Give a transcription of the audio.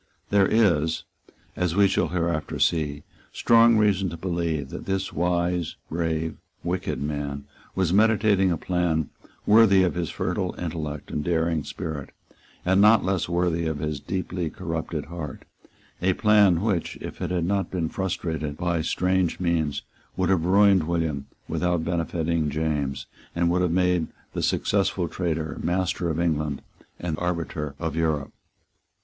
There is, as we shall hereafter see, strong reason to believe that this wise, brave, wicked man, was meditating a plan worthy of his fertile intellect and daring spirit, and not less worthy of his deeply corrupted heart, a plan which, if it had not been frustrated by strange means, would have ruined William without benefiting James, and would have made the successful traitor master of England and arbiter of Europe.